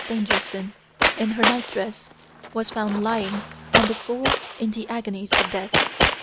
Stangerson, in her night dress, was found lying on the floor in the agonies of death.